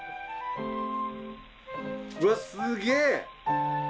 うわすげぇ。